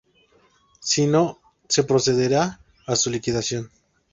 Si no, se procederá a su liquidación.